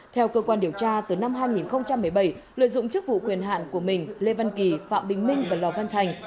theo cơ quan điều tra từ năm hai nghìn một mươi bảy lợi dụng chức vụ quyền hạn của mình lê văn kỳ phạm bình minh và lò văn thành